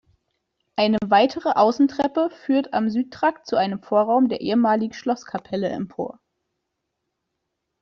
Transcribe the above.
Eine weitere Außentreppe führt am Südtrakt zu einem Vorraum der ehemaligen Schlosskapelle empor.